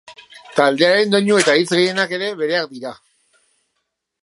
Taldearen doinu eta hitz gehienak ere bereak dira.